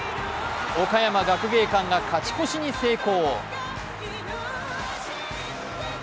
岡山学芸館が勝ち越しに成功。